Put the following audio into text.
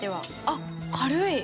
あっ軽い！